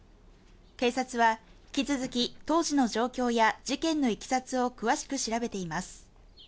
警察は引き続き当時の状況や事件のいきさつを詳しく調べています